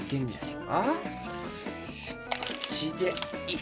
え？